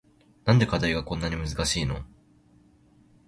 なんで課題がこんなに難しいの